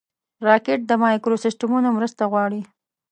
راکټ د مایکروسیسټمونو مرسته غواړي